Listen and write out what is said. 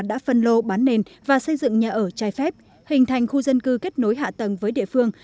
đã phân lô bán nền và xây dựng nhà ở trái phép hình thành khu dân cư kết nối hạ tầng với địa phương